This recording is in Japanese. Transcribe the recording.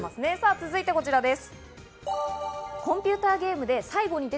続いてこちらです。